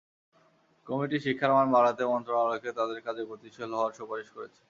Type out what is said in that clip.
Committee শিক্ষার মান বাড়াতে মন্ত্রণালয়কে তাদের কাজে গতিশীল হওয়ার সুপারিশ করেছে।